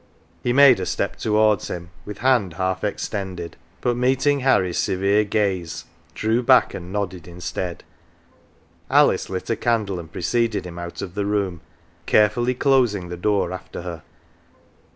He made a step towards him Avith hand half extended, but meet ing Harry's severe gaze, drew back, and nodded instead. Alice lit a candle and preceded him out of the room, carefully closing the door after her.